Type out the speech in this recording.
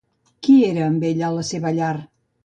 Qui era amb ell a la seva llar?